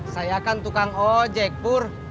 saya kan tukang ojek pur